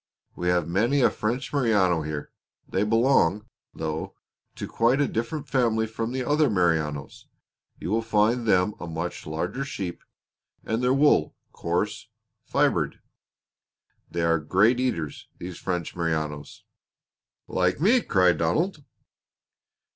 We have many a French Merino here; they belong, though, to quite a different family from the other Merinos. You will find them a much larger sheep, and their wool coarse fibered. They are great eaters, these French Merinos." "Like me!" cried Donald.